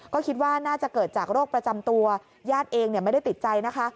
ก็คิดว่าน่าจะเกิดจากโรคประจำตัวญาติเองไม่ได้ติดใจนะคะ